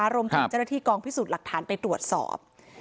รวมถึงเจ้าหน้าที่กองพิสูจน์หลักฐานไปตรวจสอบ